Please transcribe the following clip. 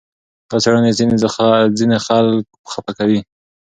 دا څېړنې ځینې خلک خپه کوي.